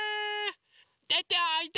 でておいで！